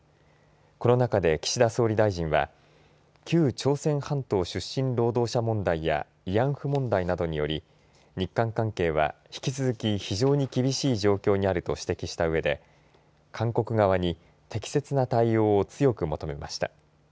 この中で岸田総理大臣は旧朝鮮半島出身労働者問題や慰安婦問題などにより日韓関係は引き続き非常に厳しい状況にあると指摘したうえで韓国側に適切な対応を強く求めました。